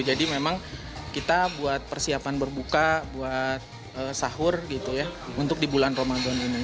jadi memang kita buat persiapan berbuka buat sahur gitu ya untuk di bulan ramadan ini